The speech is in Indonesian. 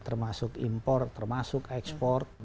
termasuk impor termasuk ekspor